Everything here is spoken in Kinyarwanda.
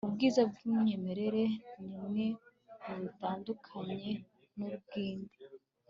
ubwiza bw inyenyeri imwe butandukanye n ubw indi